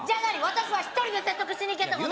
私は１人で説得しに行けってこと？